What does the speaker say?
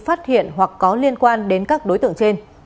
phát hiện hoặc có liên quan đến các đối tượng trên